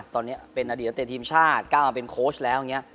ตอนนี้เป็นอดีตตั้งแต่ทีมชาติกล้ามาเป็นโค้ชแล้ว